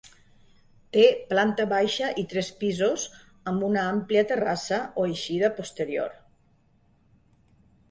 Té planta baixa i tres pisos, amb una àmplia terrassa o eixida posterior.